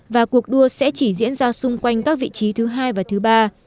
và cuộc đua sẽ chỉ diễn ra xung quanh các vị trí thứ hai và thứ ba